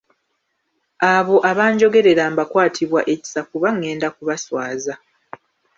Abo abanjogerera mbakwatibwa ekisa kuba ngenda kubaswaza.